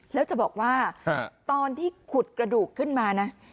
แล้วจะบอกว่าตอนที่ขุดกระดูกขึ้นมานะ